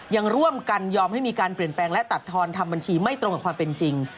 ยังร่วมกันยอมให้มีการเปลี่ยนแปลงและตัดทอนทำบัญชีไม่ตรงกับความเป็นจริง